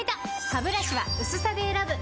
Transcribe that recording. ハブラシは薄さで選ぶ！